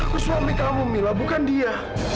terus suami kamu mila bukan dia